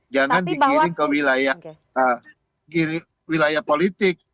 jangan digiring ke wilayah politik